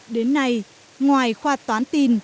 đến nay ngoài khoa toán tin